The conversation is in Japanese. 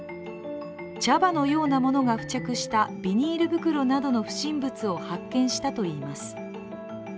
茶葉のようなものが付着したビニール袋などの不審物を発見したといいます。